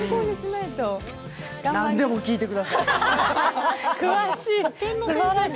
なんでも聞いてください。